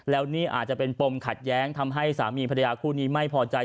แล้วนี่อาจจะเป็นปมขัดแย้งทำให้สามีภรรยาคู่นี้ไม่พอใจ